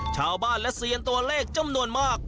ชาวบ้านและเซียนตัวเลขจำนวนมาก